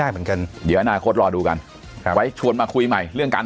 เหมือนกันเดี๋ยวอนาคตรอดูกันครับไว้ชวนมาคุยใหม่เรื่องการ